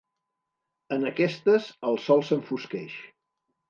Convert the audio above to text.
En aquestes, el sol s'enfosqueix.